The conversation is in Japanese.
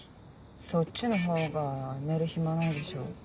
そっちのほうが寝る暇ないでしょ。